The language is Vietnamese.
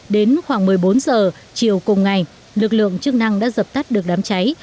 đến khoảng một mươi bốn giờ chiều cùng ngày lực lượng chức năng đã dập tắt được đám cháy